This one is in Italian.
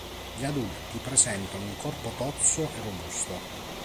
Gli adulti presentano un corpo tozzo e robusto.